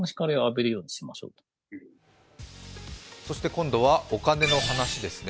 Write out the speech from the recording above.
今度はお金の話ですね。